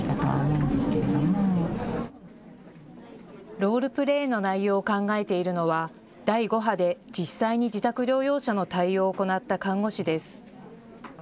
ロールプレーの内容を考えているのは第５波で実際に自宅療養者の対応を行った看護師です。